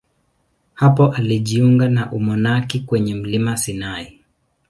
Hapo alijiunga na umonaki kwenye mlima Sinai.